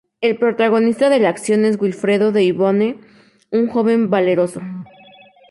El protagonista de la acción es Wilfredo de Ivanhoe, un joven y valeroso caballero.